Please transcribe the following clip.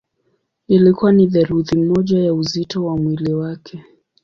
Ilikuwa ni theluthi moja ya uzito wa mwili wake.